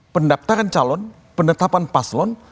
pendaftaran calon penetapan paslon